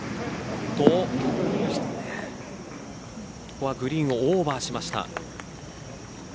ここはグリーンをオーバーしました。